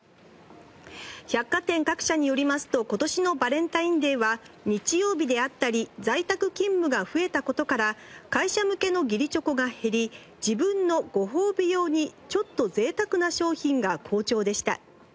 「百貨店各社によりますと今年のバレンタインデーは日曜日であったり在宅勤務が増えた事から会社向けの義理チョコが減り自分のご褒美用にちょっとぜいたくな商品が好調でした」